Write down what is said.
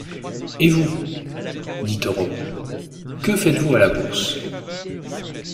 Et vous?... dit Europe, que faites-vous à la Bourse ?